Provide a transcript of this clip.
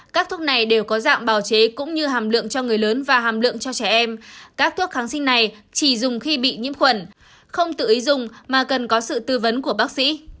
các thuốc này đều có dạng bào chế cũng như hàm lượng cho người lớn và hàm lượng cho trẻ em các thuốc kháng sinh này chỉ dùng khi bị nhiễm khuẩn không tự ý dùng mà cần có sự tư vấn của bác sĩ